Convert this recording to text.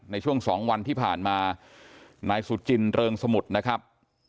ในช่วงสองวันที่ผ่านมานายสุจินเริงสมุทรนะครับ